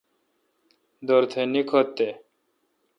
دورتھ نیکھوتہ